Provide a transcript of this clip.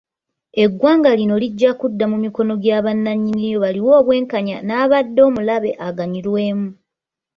Eggwanga lino lijja kudda mu mikono gya bannyini lyo baliwe obwekanya n’abadde omulabe aganyulwemu.